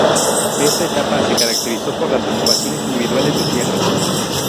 Esta etapa, se caracterizó por las ocupaciones individuales de tierras.